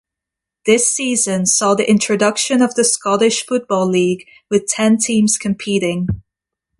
This season saw the introduction of the Scottish Football League with ten teams competing.